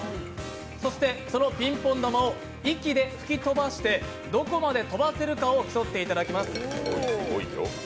そしてそのピンポン玉を息で吹き飛ばしてどこまで飛ばせるか競っていただきます。